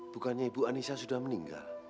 bukannya ibu anissa sudah meninggal